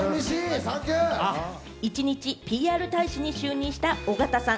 一日ＰＲ大使に就任した尾形さん。